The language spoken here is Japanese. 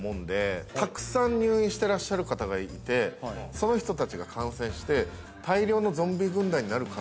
その人たちが感染してパチン！